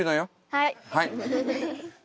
はい。